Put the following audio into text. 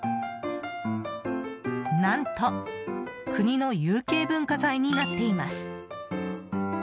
何と国の有形文化財になっています。